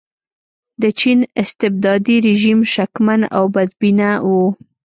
د چین استبدادي رژیم شکمن او بدبینه و.